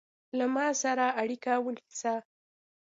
له ما سره اړیکه ونیسه